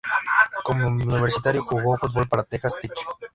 Como universitario, jugó fútbol para Texas Tech.